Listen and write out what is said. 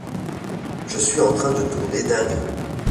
Je suis en train de tourner dingue.